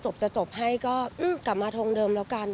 จะจบให้ก็กลับมาทงเดิมแล้วกัน